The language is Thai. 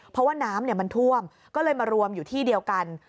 เพราะว่าน้ำมันท่วมก็เลยมารวมอยู่ที่เดียวกัน